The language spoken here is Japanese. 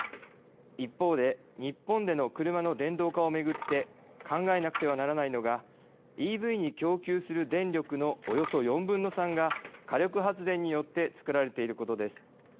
一方で日本での車の電動化をめぐって考えなくてはならないのがＥＶに供給する電力のおよそ４分の３が火力発電によって作られていることです。